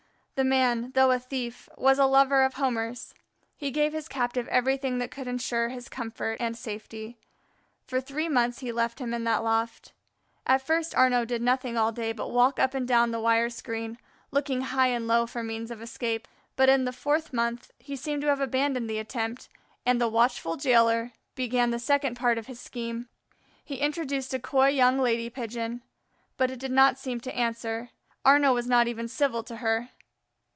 The man, though a thief, was a lover of Homers; he gave his captive everything that could insure his comfort and safety. For three months he left him in that loft. At first Arnaux did nothing all day but walk up and down the wire screen, looking high and low for means of escape; but in the fourth month he seemed to have abandoned the attempt, and the watchful jailer began the second part of his scheme. He introduced a coy young lady Pigeon. But it did not seem to answer; Arnaux was not even civil to her.